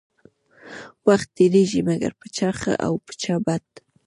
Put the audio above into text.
وخت تيريږي مګر په چا ښه او په چا بد.